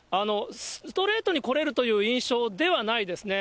ストレートに来れるという印象ではないですね。